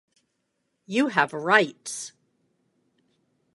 You have rights!